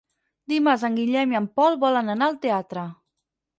Dimarts en Guillem i en Pol volen anar al teatre.